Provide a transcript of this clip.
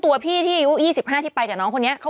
เมื่อ